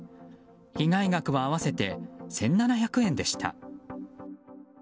被害額は合わせて１７００円でした。